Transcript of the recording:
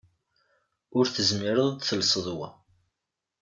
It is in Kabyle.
Ur tezmireḍ ad telseḍ wa.